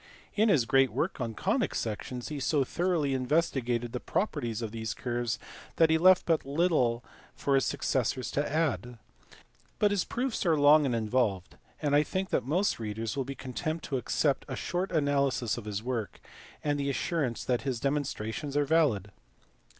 In his great work on conic sections he so thoroughly investigated the properties of these curves that he left but little for his successors to add. But his proofs are long and involved, and I think most readers will be content to accept a short analysis of his work, and the assurance that his demonstrations are valid.